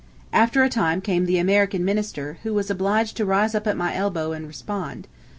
After a time came the "American Minister," who was obliged to rise up at my elbow and respond.